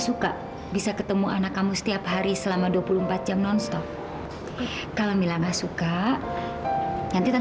apa benar emang gue mirip sama kava